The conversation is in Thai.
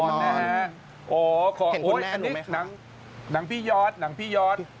ว้าวฉีดหนึ่งหนังหนังพี่ยอร์ด